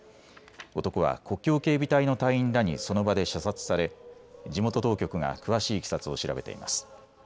男は国境警備隊の隊員らにその場で射殺され、地元当局が詳しい視察を調べています。